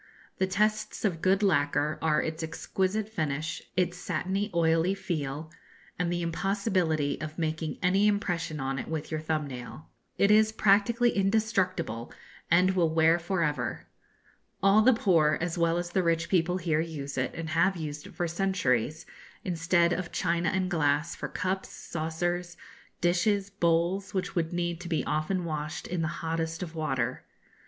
The tests of good lacquer are its exquisite finish, its satiny, oily feel, and the impossibility of making any impression on it with your thumb nail. It is practically indestructible, and will wear for ever. All the poor as well as the rich people here use it, and have used it for centuries, instead of china and glass, for cups, saucers, dishes, bowls, which would need to be often washed in the hottest of water.